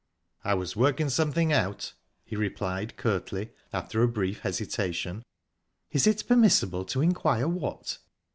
"I was working something out," he replied curtly, after a brief hesitation. "Is it permissible to inquire what?"